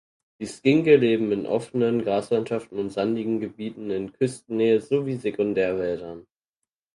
Die Skinke leben in offenen Graslandschaften und sandigen Gebieten in Küstennähe sowie Sekundärwäldern.